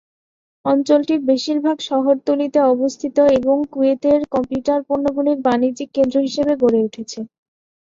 অঞ্চলটির বেশিরভাগ শহরতলিতে অবস্থিত এবং কুয়েতের কম্পিউটার পণ্যগুলির বাণিজ্যিক কেন্দ্র হিসাবে গড়ে উঠেছে।